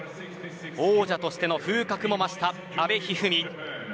王者としての風格も増した阿部一二三。